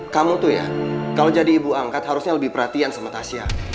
kamu tuh ya kalau jadi ibu angkat harusnya lebih perhatian sama tasya